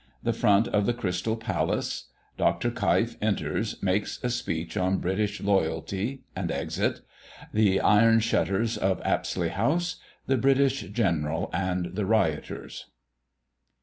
THE FRONT OF THE CRYSTAL PALACE. DR. KEIF ENTERS, MAKES A SPEECH ON BRITISH LOYALTY, AND EXIT. THE IRON SHUTTERS OF APSLEY HOUSE. THE BRITISH GENERAL AND THE RIOTERS.